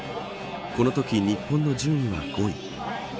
このとき、日本の順位は５位。